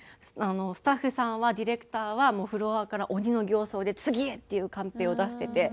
スタッフさんはディレクターはもうフロアから鬼の形相で「次へ」っていうカンペを出してて。